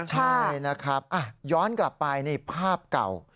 ใช่นะครับย้อนกลับไปนี่ภาพเก่า